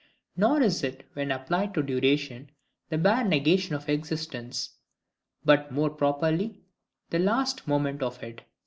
Nor is it, when applied to duration, the bare negation of existence, but more properly the last moment of it.